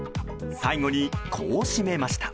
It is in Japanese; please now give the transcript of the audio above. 最後に、こう締めました。